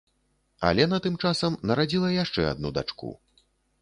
Алена тым часам нарадзіла яшчэ адну дачку.